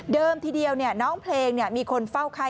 เดิมทีเดียวเนี่ยน้องเพลงเนี่ยมีคนเฝ้าไข้